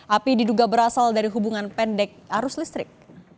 api diduga berasal dari hubungan pendek arus listrik